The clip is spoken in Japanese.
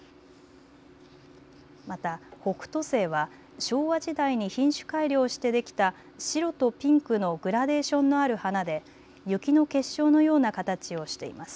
また北斗星は昭和時代に品種改良してできた白とピンクのグラデーションのある花で雪の結晶のような形をしています。